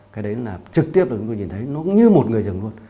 cái đấy là trực tiếp là chúng tôi nhìn thấy nó cũng như một người rừng luôn